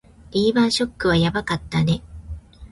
リーマンショックはやばかったね